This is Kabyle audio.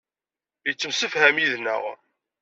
Yettemsefham yid-neɣ.